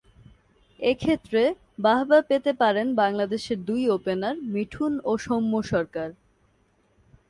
এ ক্ষেত্রে বাহবা পেতে পারেন বাংলাদেশের দুই ওপেনার মিঠুন ও সৌম্য সরকার।